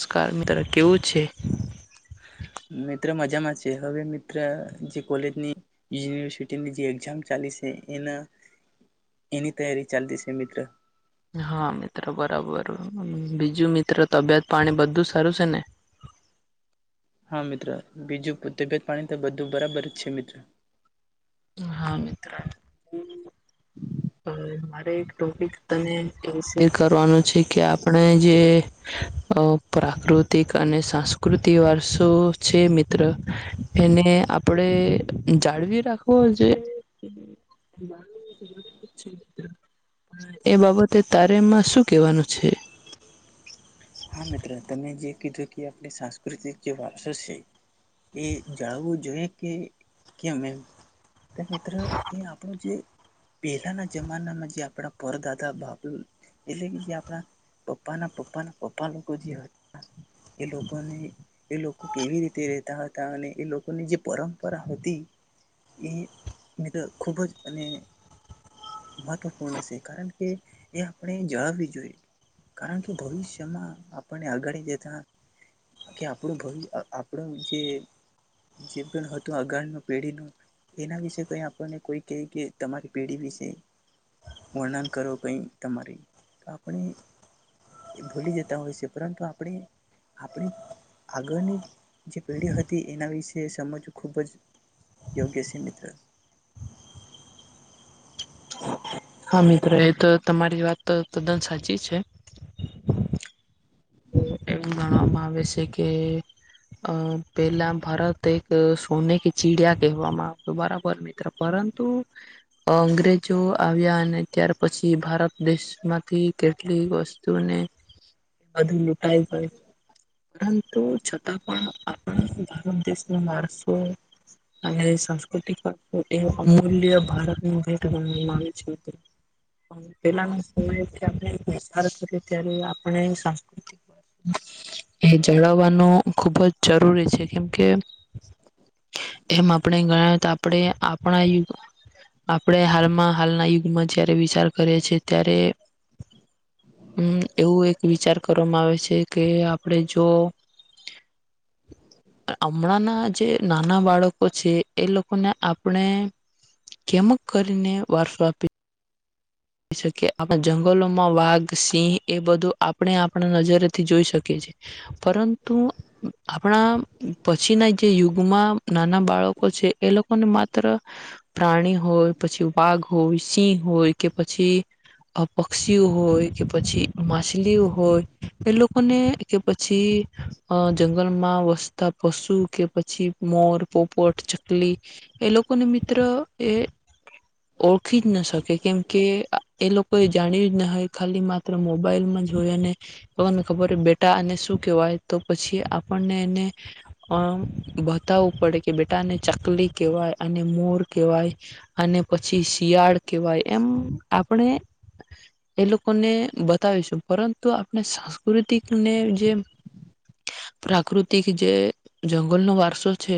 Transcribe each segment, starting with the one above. Scar મિત્ર કેવું છે? મિત્ર મજામાં છે. હવે મિત્ર જે કોલેજની યુનિવર્સિટીની જે એક્ઝામ ચાલી છે એના એની તૈયારી ચાલતી છે મિત્ર. હા મિત્રો બરાબર બીજું મિત્રો તબિયત પાણી બધું સારું છે ને? હા મિત્ર બીજું તબિયત પાણી તો બધું બરાબર જ છે મિત્ર. હા મિત્ર. મારે એક ટોપિક તને એવું શેર કરવાનું છે કે આપણે જે પ્રાકૃતિક અને સાંસ્કૃતિક વારસો છે મિત્ર એને આપડે જાળવી રાખવો જે? એ બાબતે તારેમાં શું કેવાનું છે? હા મિત્ર તમે જે કીધું કે આપણે સાંસ્કૃતિક જે વારસો છે. એ જાળવો જોઈએ કે કેમ એમ તો મિત્ર એ આપણ જે પેલાના જમાનામાં જે આપણા પરદાદા બાપુ એટલે કે જે આપણા પપ્પાના પપ્પાના પપા આપ લોકો જે હતા એ લોકોને એ લોકો કેવી રીતે રહેતા હતા અને એ લોકોની જે પરંપરા હતી એ મ્ર ખૂબ જ અને મહત્વપૂર્ણ છે કારણ કે એ આપણે જાળવવી જોઈએ કારણ કે ભવિષ્ય આપને આગળ જતા કે આપણું ભવિષ્ય આપણું જે પણ હતું અગળનું પેઢી ન એના વિશે કઈ આપણને કોઈ ક કે તમારી પેઢી વિશે વર્ણન કરો કઈ તમારી તો આપણે ભૂલી જતા હોય છે પરંતુ આપણે આપણી આગળની જે પેઢી હતી એના વિશે સમજવું ખૂબ જ યોગ્ય છે મિત્ર. હા મિત્ર તો તમારી વાત તદ્દન સાચી છે. એવું માણવામાં આવે છે કે પેલા ભારત એક સોને કે ચીડિયા કહેવામાં આવત બરાબર મિત્ર. પરંતુ અંગ્રેજો આવ્યા અને ત્યાર પછી ભારત દેશમાંથી કેટલીક વસ્તુને. બધું લૂટાઈ પય પરંતુ છતાં પણ આપણા ભારત દેશ ન વારસો [unintelligible] અને સાસ્કૃતિક વારસો એ અમૂલ્ય ભારતનું ભત ગણવામાં આવે છે પેલાના સમયણે વાર કરીએ ત્યારે આપણે એ જાળવવાનું ખુબ જ જરૂરી છે કેમ કે એમ [unintelligible] આપણે ગણાવ તો આપણે આપણા યુગ આપણે હાલમાં હાલના યુગમાં જયારે વિચાર કરીએ છેએ ત્યારે હમ એવું એક વિચાર કરવામાં આવે છે કે આપણે જો હમણાંના જે [unintelligible] નાના બાળકો છે એ લોકોને આપણે કેમ જ કરીને વારસો આપી શકી આપણા જંગલોમાં વાઘ સિંહ એ બધું આપણે આપણા નજરેથી જોઈ શકીએ છ છેીએ પરંતુ આપણા પછી ના જે યુગમાં નાના બાળકો છે એ લોકોને માત્ર પ્રાણી હોય પછી વાઘ હોય સિંહ હોય કે પછી પક્ષીઓ હોય કે પછી માછલીઓ હોય એ લોકોને કે પછી જંગલમાં વ ત પશુ કે પછી મોર પોપટ ચકલી એ લોકોને મિત્ર એ ઓળખી જ ન શકે કેમ કે એ લોકોએ જાણ્યું જ ના હોય ખાલી માત્ર મોબાઈલમાં જ હોય અનેને ખબર હોય બેટા આને શું કહેવાય તો પછી આપણને એને થવું પડે કે બેટાને ચકલી કહેવાય અને મોર કહેવાય અને પછી શિયાળ કહેવાય એમ આપણે એ લોકોને બતાવીશું પરંતુ આપણે સાંસ્કૃતિકને જે પ્રાકૃતિક જે જંગલનો વારસો છે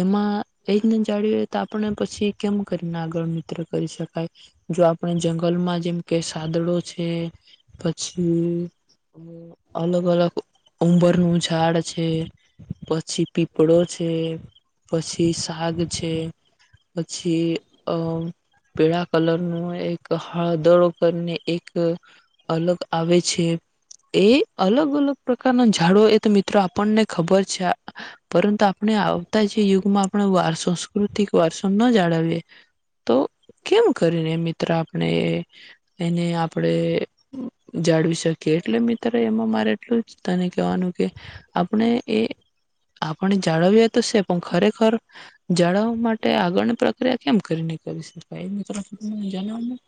એમાં એ જ જાળવી તો આપણે પછી કેમ કરીને આગળ મિત્ર કરી શકાય જો આપણે જંગલમાં જેમ કે સાદડો છે પછી અલગ અલગ ઉંમરનુંું ઝાડ છે પછી પીપળો છે પછી શક છે પછી અ પેડા કલર કરીને મિત્ર આપણે એને આપડે જાળવી શકીએ એટલે મિત્ર એમાં મારે એલું તને કવાનું કે આપણે એ પણ જાડો બીયા તશે પણ ખરેખર જાળવવા માટે આગળની પ્રક્રિયા કેમ કરીને કરી શ ભ હમ જનમાં [unintelligible]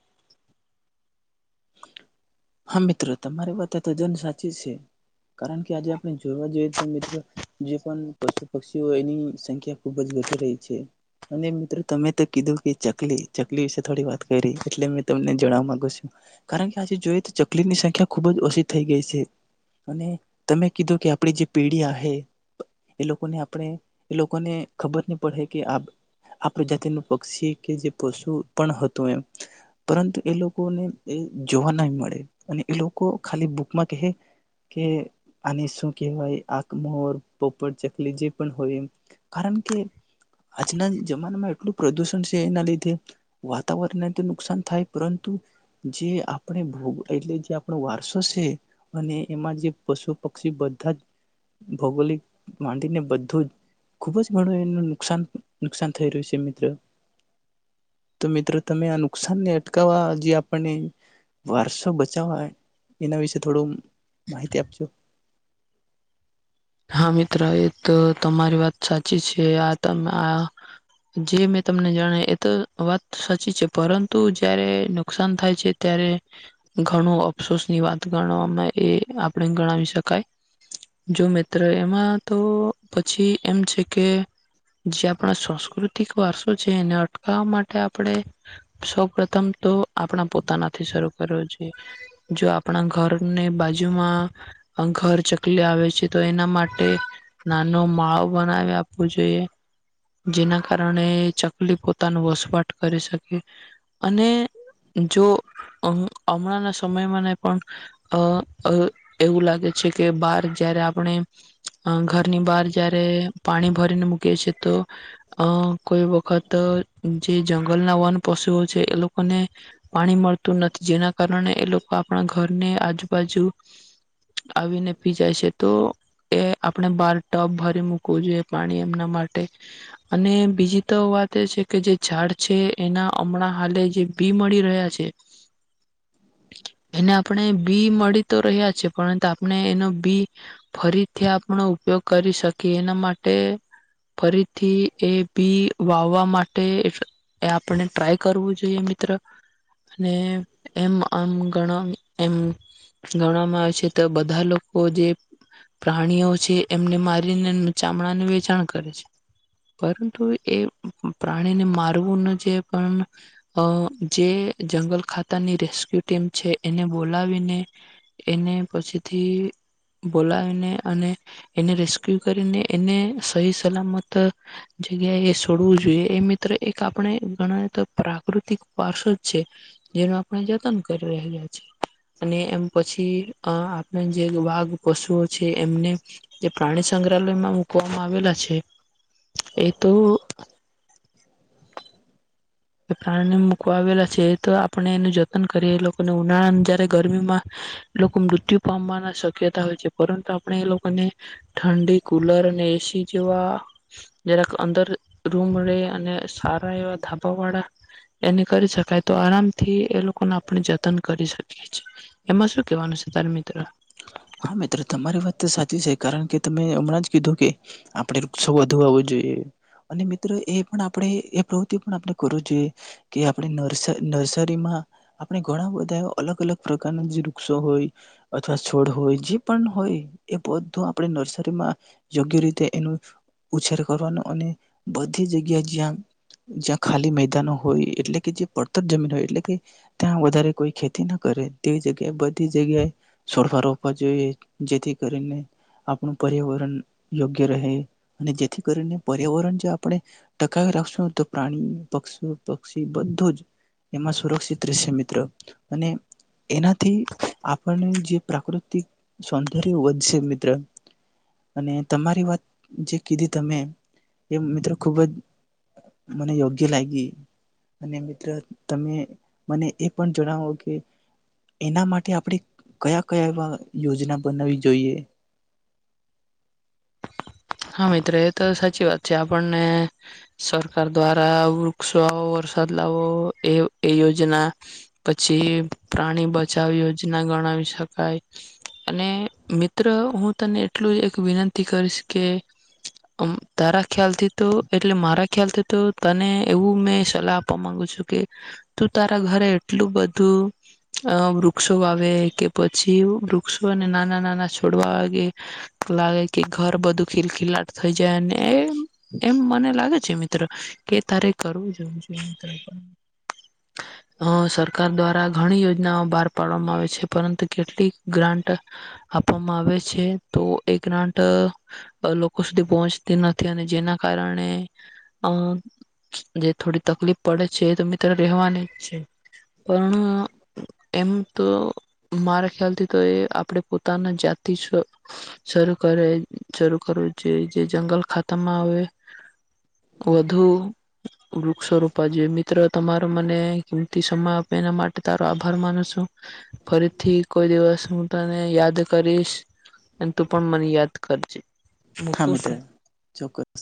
હા મિત્રો તમારી વાત તો જન સાચી છે કારણ કે આજે આપણે જોવા જોઈએ તો મિત્રો જે પણ પશુ પક્ષીઓ એની સંખ્યા ખુબ જ ઘટી રહી છે અને મિત્રો તમે તો કીધું કે ચકલી ચકલી વિશે થોડી વાત કરી એટલે મેં તમને જણવા માંગુ છું કારણ કે આજે જોઈ તો [unintelligible] ચકલીની સંખ્યા ખૂબ જ ઓછી થઈ ગઈ છે અને તમે કીધું કે આપણી જે પેઢી આવે એ લોકોને આપણે એ લોકોને ખબર નહી પડે કે આપણી જાતિનું પક્ષી કે જે પશુ પણ હતું એમ પરંતુ એ લોકોને એ જોવા ન મળે અને એ લોકો ખાલી ભૂકમાં કહે કે આને શું કહેવાય આ મોર પોપટ ચકલી જે પણ હોય એ કારણ કે આજના જમાનામાં એટલું પ્રદુષણ છે એના લીધે વાતાવરણને તો નુકસાન થાય પરંતુ જે આપણે એટલે જે આપણો વારસો છે અને એમાં જે પશુ પક્ષી બધા જ ભૌગોલિક માંડીને બધું જ ખુબ જ ઘણું એ નુકસાન નુકસાન થઈ રહ્યું છે મિત્ર તો મિત્રો તમે આ નુકસાનને અટકાવવા જે આપણને વારસ બચાવવા એના વિશે થોડું [unintelligible] હા મિત્ર એ તો તમારી વાત સાચી છે આ ત આ જે મેં તમને જાણ એ તો વાત સાચી છે પરંતુ જયારે નુકસાન થાય છે ત્યારે ઘણું અફસોસની વાત ગણવામાં એ આપણે ગણાવી શકાય જો મે એમાં તો પછી એમ છે કે જે આપણા સાંસ્કૃતિક વારસો છે એને અટકાવવા માટે આપણે સૌપથમ તો આપણા પોતાનાથી શરૂ કરવ જોઈ જો આપણા ઘરની બાજુમાં ઘર ચકલી આવે છે તો એના માટે ના નો માળો બનાવે આપવો જોઈએ જેના કારણે ચકલી પોતાનો વસવાટ કરી શકે અને જો હમણાં ના સમયમાંને પણ અ એવું લાગે છે કે બાર જારે આપણે ઘરની બહાર જયારે પાણી ભરીને મૂકી છીએ તો અ કોઈ વખત જે જંગલના વન પશુઓ છે એ લોકોને પાણી મળતું નથી જેના કારણે એ લોકો આપણા ઘરને આજુબાજુ આવીને પી જાય છે તો એ આપણે બાર ટપ ભરી મૂકવું જોઈએ પાણી એમના માટે અને બીજી તો વાત એ છે કે જે ઝાડ છે એના હમણાં હાલે જે બી મળી રહ્યા છે [unintelligible] એને આપણે બી મળી તો રહ્યા છે પરંતુ આપણે એનો બી ફરીથી આપણો ઉપયોગ કરી શકીએ એના માટે ફરીથી એ બી વાવવા માટે એ આપણે ટ્રાય કરવું જોઈએ મિત્ર અને એમ આમ એમ ગણવામાં આવે છે તો બધા લોકો જે પ્રાણીઓ છે એમને મારીને ચામડાનું વેચાણ કરે છે પરંતુ એ પ્રાણીને મારવું ન પણ જે જંગલ ખાતાની રેસ્ક્યુ ટીમ છે એને બોલાવીને એને પછીથી બોલાવીને અને એને રેસ્ક્યુ કરીને એને સહી સલામત જગ્યા એ છોડવું જોઈએ એ મિત્ર આપણે ગણા તો પ્ર પ્રાકૃતિક પાસ જ છે જેનું આપણે જતન કરી રહ્યા છે અને એમ પછી આપણે જે વાઘ પશુઓ છે એમને જે પ્રાણી સંગ્રહાલયમાં મુકવામાં આવેલા છે એ તો પ્રાણી મૂકવા આવેલા છે તો આપણે એનું જતન કરીએ એ લોકોને ઉનાળા જય્યારે ગરમીમાં એ લોકો મૃત્યુ પામવાની શક્યતા હોય છે પરંતુ આપણે એ લોકોને ઠંડી કુલર અને એસી જેવા જરાક અંદર રૂમ રે અને સારા એવાા વાડા એને કરી શકાય તો આરામ થી એ લોકોને આપણે જતન કરી શકીએ એમાં શું કેવાનું છે તાર મિત્ર હા મિત્રો તમારી વાત તો સાચી છે કારણ કે તમે હમણાં જ કીધું કે આપડે વૃક્ષો વધુ આવો જોઈએ અને મિત્રો એ પણ આપણે એ પ્રવૃતિ પણ આપણે કરવી જોઈએ કે આપણેસ નર્સરીમાં આપણે ઘણા બધા એ અલગ અલગ પ્રકારના જે વૃક્ષો હોય અથવા ડ હોય જે પણ હોય એ બધું આપણે નર્સરીમાં યોગ્ય રીતે એનું ઉછેર કરવાનો અને બધી જગ્યા જ્યાં જ્યાં ખાલી મેદાનો હોય એટલે કે જે પડતર જમીન હોય એટલે કે ત્યાં વધારે કોઈ ખેતી ના કરે તે જગ્યાએ બધી જગ્યાએ સોળફા રોવા જોઈએ જેથી કરીને આપણું પર્યાવરણ યોગ્ય રહે અને જેથી કરીને પર્યાવરણ જે આપણે ટકાવી રાખશું તો પ્રાણી પક્ષી પક્ષી બધું જ એમાં સુરક્ષિત રહેશે મિત્ર અને એનાથી આપણને જે પ્રાકૃતિક સૌંદર્ય વધશે મિત્ર અને તમારી વાત જે કીધી તમે એ મિત્રો ખૂબ જ મને યોગ્ય લાગી અને મિત્ર તમે મને એ પણ જણાવો કે એના માટે આપણે કયા કયા એવા યોજના બનાવી જોઈએ હા મિત્ર એ તો સાચી વાત છે આપણને સરકાર દ્વારા વૃક્ષોો વરસાદ લાવો એ એ યોજના પછી પ્રાણી બચાવ યોજના ગણાવી શકાય અને મિત્ર હું તને એટલું જ એક વિનંતી કરીશ કે તારા ખ્યાલથી તો એટલે મારા ખ્યાલ થી તો તને એવું મેં સલાહ આપવા માંગુ છું કે તું તારા ઘરે એટલું બધું વૃક્ષો આવે કે પછી વૃક્ષોને નાના નાના છોડવા વાગે લાગે કે ઘર બધું ખીલખીલાટ થઈ જાય અને એ એમ મને લાગે છે મિત્ર કે તારે કરવું જોવ સરકાર દ્વારા ઘણી યોજનાઓ બહાર પાડવામાં આવે છે પરંતુ કેટલીક ગ્રાન્ટ આપવામાં આવે છે તો એ ગ્રટ લોકો સુધી પહોંચતી નથી અને જેના કારણે અ જે થોડી તકલીફ પડે છે એ તો મિત્ર રહેવાની જ છે પણ એમ તો મારા ખ્યાલથી તો એ આપણે પોતાના જાતિ શરૂ કરે શરૂ કરવું જોઈએ જે જંગલ ખાતામાં આવે વધુ વૃક્ષરૂપા જોઈએ મિત્રો તમારો મને કિંમતી સમય આપે એના માટે તારો આભાર માનું છું ફરીથી કોઈ દિવસ હું તને યાદ કરીશ અને તું પણ મને યાદ કરજે હા મૂકું છું. મિત્ર ચોક્કસ